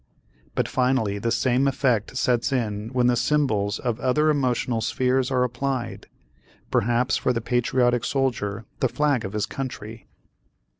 But finally, the same effect sets in when the symbols of other emotional spheres are applied, perhaps for the patriotic soldier the flag of his country.